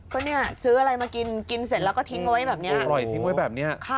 ก็เนี่ยซื้ออะไรมากินกินเสร็จแล้วก็ทิ้งไว้แบบเนี้ย